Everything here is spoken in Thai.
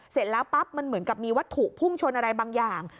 เสร็จแล้วปั๊บมันเหมือนกับมีวัตถุพุ่งชนอะไรบางอย่าง